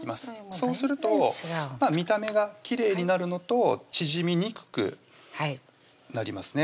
そうすると見た目がきれいになるのと縮みにくくなりますね